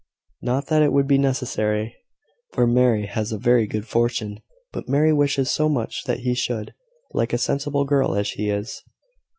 Not that it would be necessary, for Mary has a very good fortune. But Mary wishes so much that he should like a sensible girl as she is."